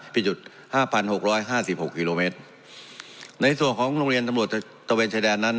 ผิดจุดห้าพันหกร้อยห้าสิบหกกิโลเมตรในส่วนของโรงเรียนตำรวจตะเวนชายแดนนั้น